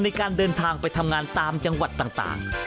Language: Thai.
ในการเดินทางไปทำงานตามจังหวัดต่าง